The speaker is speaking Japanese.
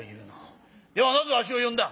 ではなぜわしを呼んだ？」。